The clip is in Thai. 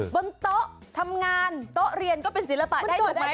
บนโต๊ะทำงานโต๊ะเรียนก็เป็นศิลปะได้ถูกไหม